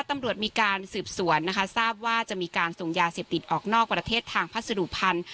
ตำรวจมีการสืบสวนนะคะทราบว่าจะมีการส่งยาเสพติดออกนอกประเทศทางพัสดุพันธุ์